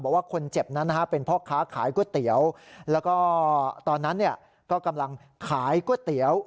บอกว่าคนเจ็บนั้นนะฮะเป็นพ่อค้าขายก๋วยเตี๋ยวแล้วก็ตอนนั้นก็กำลังขายก๋วยเตี๋ยว